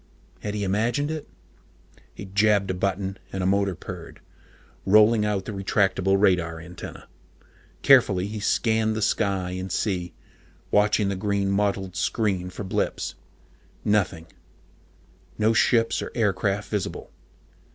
Had he imagined it? He jabbed a button, and a motor purred, rolling out the retractable radar antenna. Carefully he scanned the sky and sea, watching the green mottled screen for blips. Nothing no ships or aircraft visible.